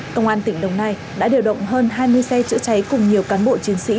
công an tỉnh đồng nai đã điều động hơn hai mươi xe chữa cháy cùng nhiều cán bộ chiến sĩ